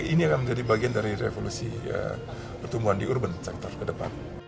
ini akan menjadi bagian dari revolusi pertumbuhan di urban sektor ke depan